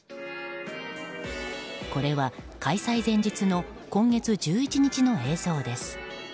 これは、開催前日の今月１１日の映像です。